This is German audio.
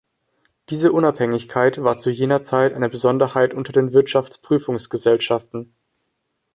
Diese Unabhängigkeit war zu jener Zeit eine Besonderheit unter den Wirtschaftsprüfungsgesellschaften.